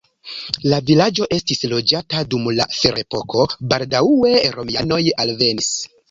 La vilaĝo estis loĝata dum la ferepoko, baldaŭe romianoj alvenis.